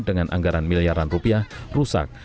dengan anggaran miliaran rupiah rusak